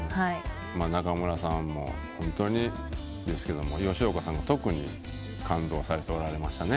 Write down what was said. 中村さんもホントにですけど吉岡さんが特に感動されておられましたね。